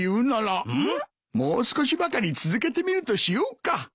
もう少しばかり続けてみるとしようか。